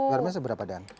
garamnya seberapa dan